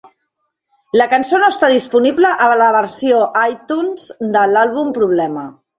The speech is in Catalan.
La cançó no està disponible a la versió iTunes de l'àlbum "Problema".